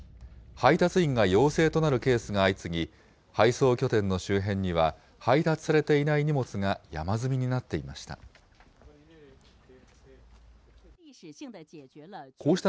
配達員が陽性となるケースが相次ぎ、配送拠点の周辺には配達されていない荷物が山積みになっていました。